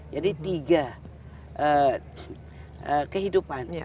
jadi tiga kehidupan